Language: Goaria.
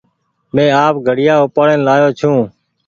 مينٚ آپ گھڙيآ اُپآڙين لآيو ڇوٚنٚ